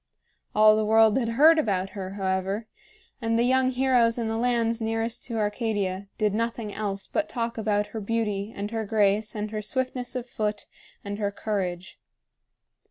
All the world had heard about her, however; and the young heroes in the lands nearest to Arcadia did nothing else but talk about her beauty and her grace and her swiftness of foot and her courage.